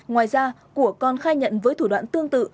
ngoài ra của còn khai nhận với thủ đoạn tương tự